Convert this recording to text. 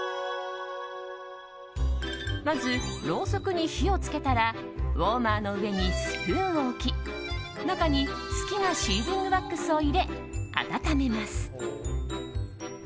まず、ろうそくに火を付けたらウォーマーの上にスプーンを置き中に好きなシーリングワックスを入れ、温めます。